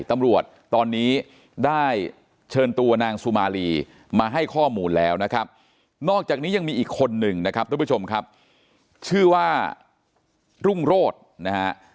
ตำรวจตอนนี้ได้เชิญตัวนางสุมารีมาให้ข้อมูลแล้วนะครับนอกจากนี้ยังมีอีกคนหนึ่งนะครับทุกผู้ชมครับชื่อว่ารุ่งโรธนะฮะ